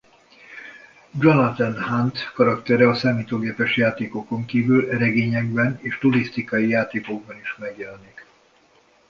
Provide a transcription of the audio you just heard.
Jonathan Hunt karaktere a számítógépes játékokon kívül regényekben és turisztikai játékokban is megjelenik.